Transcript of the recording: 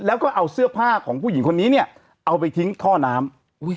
แล้วก็เอาเสื้อผ้าของผู้หญิงคนนี้เนี่ยเอาไปทิ้งท่อน้ำ